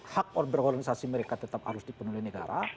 hak berorganisasi mereka tetap harus dipenuhi negara